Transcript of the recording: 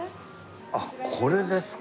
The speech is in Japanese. あっこれですか！